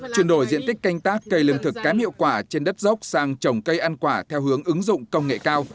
chuyển đổi diện tích canh tác cây lương thực kém hiệu quả trên đất dốc sang trồng cây ăn quả theo hướng ứng dụng công nghệ cao